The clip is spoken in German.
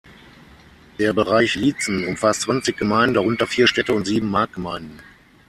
Der "Bereich Liezen" umfasst zwanzig Gemeinden, darunter vier Städte und sieben Marktgemeinden.